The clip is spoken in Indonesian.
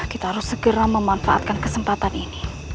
kita harus segera memanfaatkan kesempatan ini